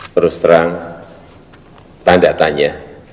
terus terang tanda tanya